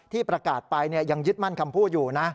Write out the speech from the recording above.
ที่ประกาศไปยังยึดมั่นคำพูดอยู่นะ